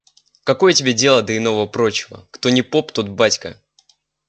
Какое тебе дело до иного-прочего? Кто ни поп, тот батька.